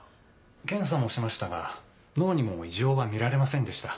検査もしましたが脳にも異常は見られませんでした。